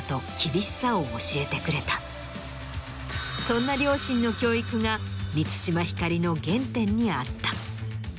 そんな両親の教育が満島ひかりの原点にあった。